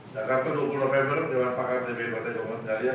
jakarta dua puluh november dewan pakar dpi partai golongan karya